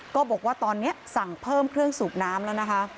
ก็บอกว่าตอนนี้สั่งเพิ่มเครื่องสูบน้ำแล้วนะคะ